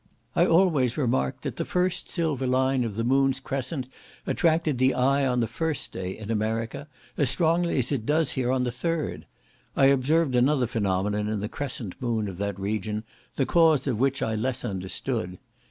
I always remarked that the first silver line of the moon's crescent attracted the eye on the first day, in America, as strongly as it does here on the third. I observed another phenomenon in the crescent moon of that region, the cause of which I less understood.